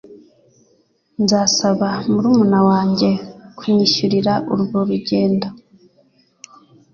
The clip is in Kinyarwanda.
Nzasaba murumuna wanjye kunyishyurira urwo urugendo.